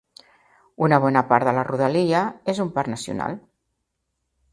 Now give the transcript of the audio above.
Una bona part de la rodalia és un parc nacional.